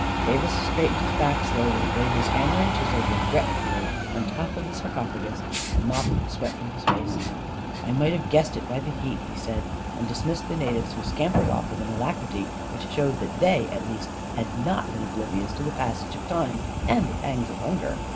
Davis straightened his back slowly, laid his ham mer and chisel regretfully on top of the sarcophagus, and mopped the sweat from his face. • 44 1 might have guessed it by the heat," he said, and dismissed the natives, who scampered off with an alacrity which showed that they, at least, had not 1*6 A KING IN BABYLON been oblivious to the passage of time and the pangs of hunger.